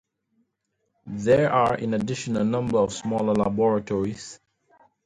There are, in addition, a number of smaller laboratories.